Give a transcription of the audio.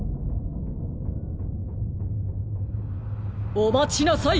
おまちなさい！